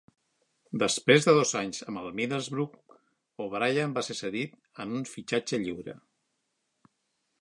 Després de dos anys amb el Middlesbrough, O'Brien va ser cedit en un fitxatge lliure.